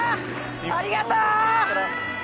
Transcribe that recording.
ありがとう！